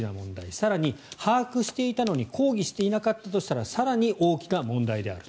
更に、把握していたのに抗議していなかったとしたら更に大きな問題である。